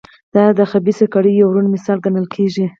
دا د خبیثه کړۍ یو روڼ مثال ګڼل کېږي.